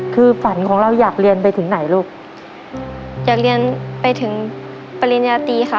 คือฝันของเราอยากเรียนไปถึงไหนลูกอยากเรียนไปถึงปริญญาตีค่ะ